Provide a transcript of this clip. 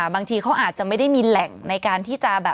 บางทีเขาอาจจะไม่ได้มีแหล่งในการที่จะแบบ